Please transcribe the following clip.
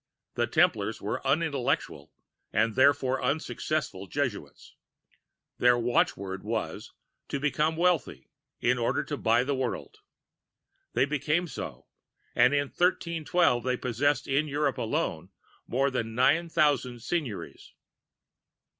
The Templars were unintelligent and therefore unsuccessful Jesuits. "Their watchword was, to become wealthy, in order to buy the world. They became so, and in 1312 they possessed in Europe alone more than nine thousand seignories.